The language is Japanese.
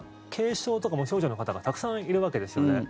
軽症とか無症状の方がたくさんいるわけですよね。